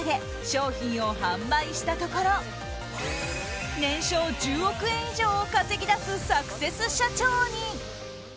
商品を販売したところ年商１０億円以上を稼ぎ出すサクセス社長に。